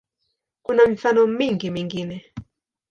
Kuna mifano mingi mingine.